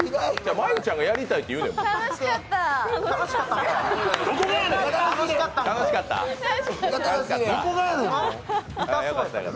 真悠ちゃんがやりたいって言うから。